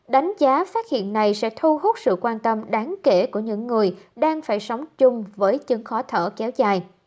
đánh giá phát hiện này sẽ thu hút sự quan tâm đáng kể của những người đang phải sống chung với chứng khó thở kéo dài